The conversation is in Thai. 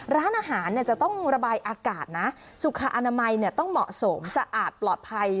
ร้านอาหารจะต้องระบายอากาศนะสุขอนามัยต้องเหมาะสมสะอาดปลอดภัย